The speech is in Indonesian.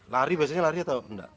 lari biasanya lari atau enggak